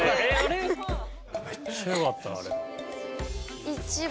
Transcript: めっちゃよかったなあれ。